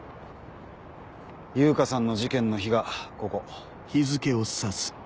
悠香さんの事件の日がここ。